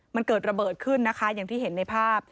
มันเกิดระเบิดขึ้นนะคะอย่างที่เห็นในภาพ